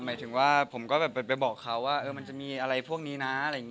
หมายถึงว่าผมก็ไปบอกเขาว่ามันจะมีอะไรพวกนี้นะ